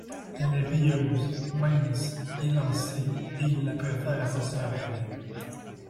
Elle est rieuse, mince, élancée et il la préfère à sa sœur aînée.